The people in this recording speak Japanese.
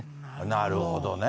なるほどね。